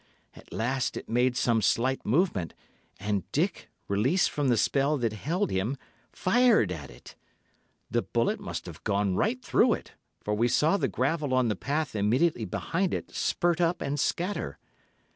At last it made some slight movement, and Dick, released from the spell that held him, fired at it. The bullet must have gone right through it, for we saw the gravel on the path immediately behind it spurt up and scatter.